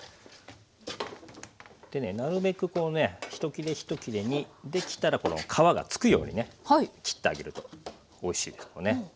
でねなるべくこうねひと切れひと切れにできたらこの皮がつくようにね切ってあげるとおいしいですけどね。